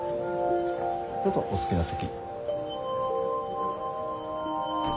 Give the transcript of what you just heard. どうぞお好きな席。